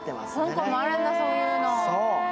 香港もあるんだ、そういうの。